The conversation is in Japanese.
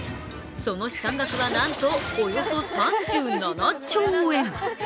その資産額はなんとおよそ３７兆円。